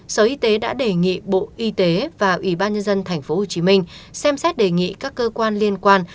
sở y tế đã đề nghị bộ y tế và ủy ban nhân dân tp hcm xem xét đề nghị các cơ quan liên quan